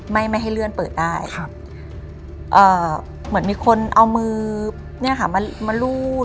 ไม่ให้เลื่อนเปิดได้เหมือนมีคนเอามือมาลูด